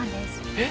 「えっ！？」